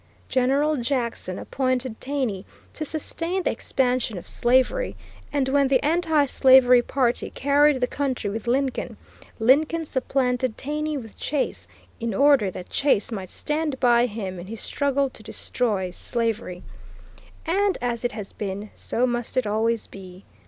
General Jackson appointed Taney to sustain the expansion of slavery, and when the anti slavery party carried the country with Lincoln, Lincoln supplanted Taney with Chase, in order that Chase might stand by him in his struggle to destroy slavery. And as it has been, so must it always be.